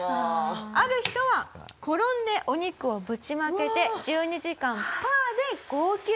ある人は転んでお肉をぶちまけて１２時間パーで号泣。